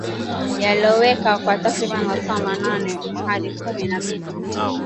Yaloweke kwa takriban masaa nane hadi kumi na mbili